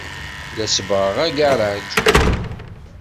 La sebbɣeɣ agaṛaj.